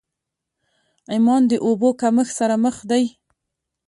عمان د اوبو کمښت سره مخ دی.